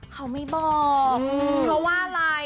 เขาไม่บอกเพราะว่าอะไร